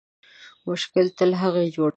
مشکل تل هغه جوړوي